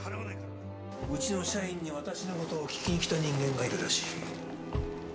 うちの社員に私のことを聞きに来た人間がいるらしい。